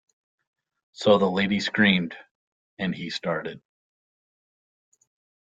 So the lady screamed, and he started.